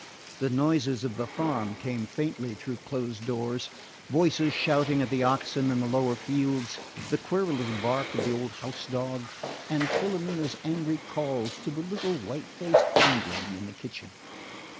The noises of the farm came faintly through closed doors voices shouting at the oxen in the lower fields, the querulous bark of the old house dog, and Filomena's angry calls to the little white faced foundling in the kitchen.